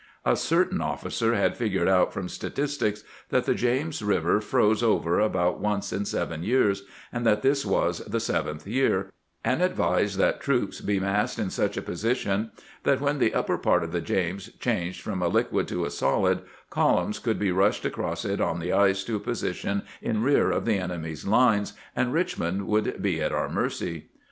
A certain officer had figured out from statistics that the James River froze over about once in seven years, and that this was the seventh year, and advised that troops be massed in such a position that when the upper part of the James changed from a liquid to a solid, columns could be rushed across it on the ice to a posi tion in rear of the enemy's lines, and Richmond would be at our mercy.